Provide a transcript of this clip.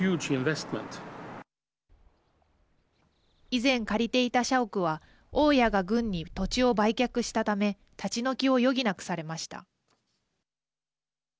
以前、借りていた社屋は大家が軍に土地を売却したため立ち退きを余儀なくされました。